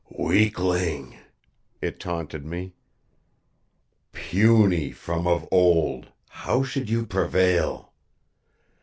"Weakling!" It taunted me. "Puny from of old, how should you prevail?